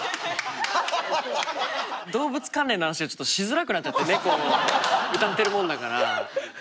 動物関連の話をちょっとしづらくなっちゃって「猫」を歌ってるもんだから。